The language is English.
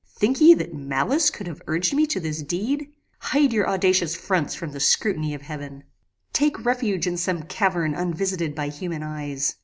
Think ye that malice could have urged me to this deed? Hide your audacious fronts from the scrutiny of heaven. Take refuge in some cavern unvisited by human eyes.